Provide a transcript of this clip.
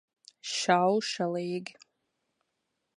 Šaušalīgi.